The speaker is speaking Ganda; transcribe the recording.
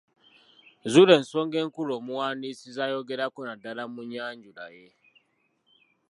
Zuula ensonga enkulu omuwandiisi z'ayogerako naddala mu nnyanjula ye.